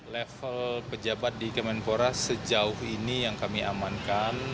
level pejabat di kemenpora sejauh ini yang kami amankan